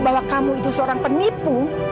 bahwa kamu itu seorang penipu